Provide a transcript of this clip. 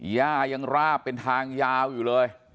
ย่ายังราบเป็นทางยาวอยู่เลย